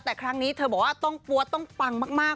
แต่ครั้งนี้เธอบอกว่าต้องปั๊วต้องปังมาก